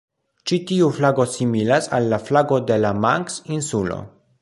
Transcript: Ĉi tiu flago similas al la flago de la Manks-insulo.